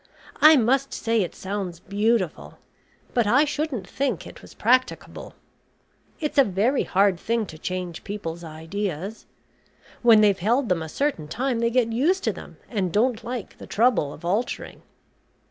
I must say it sounds beautiful; but I shouldn't think it was practicable. It's a very hard thing to change people's ideas. When they've held them a certain time they get used to them, and don't like the trouble of altering."